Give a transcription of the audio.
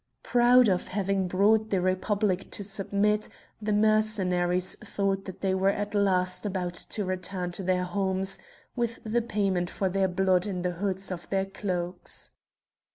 Proud of having brought the Republic to submit, the Mercenaries thought that they were at last about to return to their homes with the payment for their blood in the hoods of their cloaks.